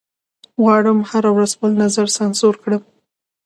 غواړم هره ورځ خپل نظر سانسور کړم